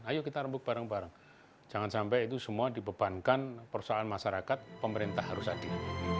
ayo kita rembuk bareng bareng jangan sampai itu semua dibebankan persoalan masyarakat pemerintah harus adil